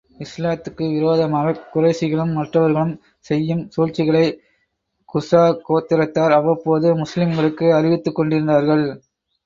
இஸ்லாத்துக்கு விரோதமாகக் குறைஷிகளும், மற்றவர்களும் செய்யும் சூழ்ச்சிகளை குஸா கோத்திரத்தார் அவ்வப்போது முஸ்லிம்களுக்கு அறிவித்துக் கொண்டிருந்தார்கள்.